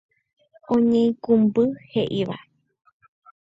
Oñeikũmby he'íva.